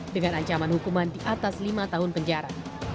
dengan ancaman hukuman di atas lima tahun penjara